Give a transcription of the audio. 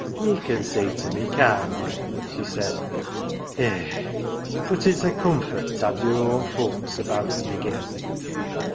"Ye can see to me, can't ye ?" she said. "Eh, but it's a comfort t'ave your own folks about ye again."